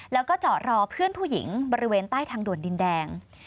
แล้วก็จอดรอเพื่อนผู้หญิงบริเวณใต้ทางด่วนดินแดง